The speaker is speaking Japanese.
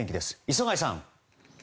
磯貝さん。